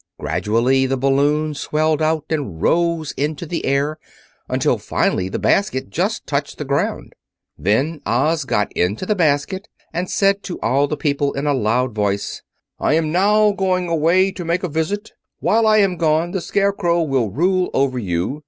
Gradually the balloon swelled out and rose into the air, until finally the basket just touched the ground. Then Oz got into the basket and said to all the people in a loud voice: "I am now going away to make a visit. While I am gone the Scarecrow will rule over you.